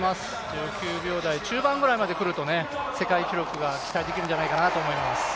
１９秒台中盤ぐらいまで来ると世界記録が期待できるんじゃないかなと思います。